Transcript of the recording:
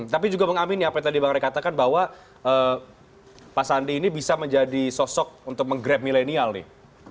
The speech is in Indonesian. tapi juga mengamini apa yang tadi bang rekatakan bahwa pak sandiaga uno ini bisa menjadi sosok untuk meng grab milenial nih